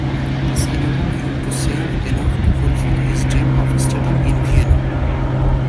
This enabled him to save enough to fulfill his dream of studying in Vienna.